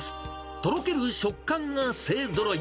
とろける食感が勢ぞろい。